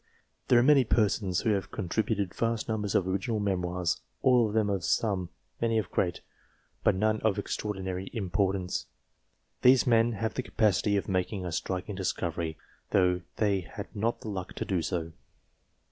There are many persons who have contributed vast numbers of original memoirs, all of them of some, many of great, but none of extraordinary importance. These men have the capacity of making a striking discovery, though they had not the luck to do so.